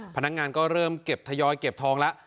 พนักงานก็เริ่มเก็บทยอยเก็บทองแล้ว